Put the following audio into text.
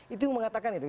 itu mengatakan ya